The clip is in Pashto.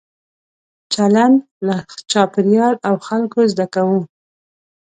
چلند له چاپېریال او خلکو زده کوو.